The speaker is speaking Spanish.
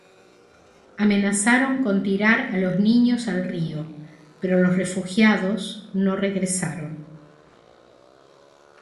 Amenazaron con tirar a los niños al río, pero los refugiados no regresaron.